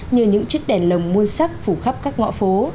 như những chiếc đèn lồng muôn sắc phủ khắp các ngõ phố